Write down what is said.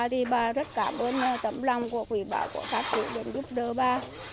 thì bà rất cảm ơn tâm lòng của quỷ bảo của các chủ đến giúp đỡ bà